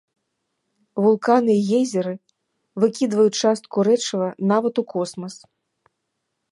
Вулканы і гейзеры выкідваюць частку рэчыва нават у космас.